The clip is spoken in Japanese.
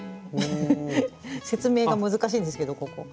フフフッ説明が難しいんですけどここ。